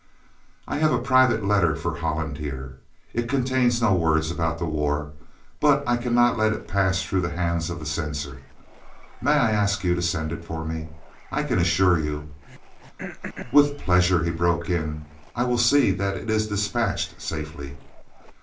"I have a private letter for Holland here. It contains no word about the war, but I cannot let it pass through the hands of the censor. May I ask you to send it for me? I can assure you " "With pleasure," he broke in. "I will see that it is dispatched safely."